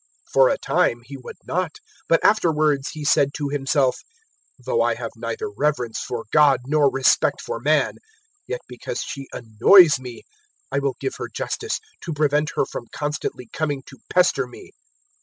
018:004 "For a time he would not, but afterwards he said to himself, "`Though I have neither reverence for God nor respect for man, 018:005 yet because she annoys me I will give her justice, to prevent her from constantly coming to pester me.'"